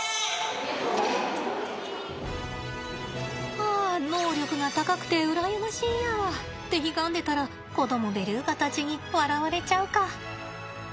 ああ能力が高くて羨ましいや。ってひがんでたら子どもベルーガたちに笑われちゃうか。